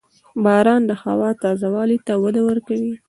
• باران د هوا تازه والي ته وده ورکوي.